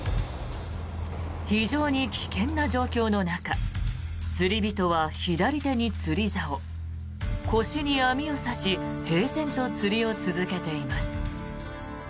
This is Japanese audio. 非常に危険な状況の中釣り人は左手に釣り竿腰に網を差し平然と釣りを続けています。